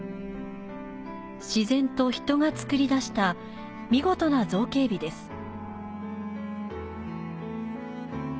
自然と人がつくり出した見事な造形美です。